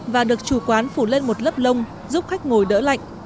và được chủ quán phủ lên một lớp lông giúp khách ngồi đỡ lạnh